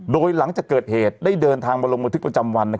โดยหลังจากเกิดเหตุได้เดินทางมาลงบันทึกประจำวัน